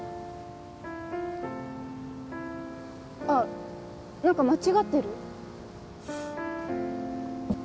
あっ何か間違ってる？